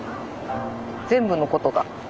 全部のことが。